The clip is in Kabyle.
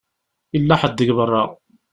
Yella ḥedd deg beṛṛa.